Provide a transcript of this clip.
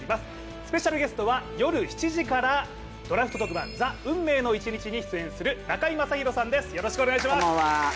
スペシャルゲストは夜７時からドラフト特番に出演する中居正広さん。